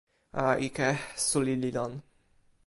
a, ike. suli li lon.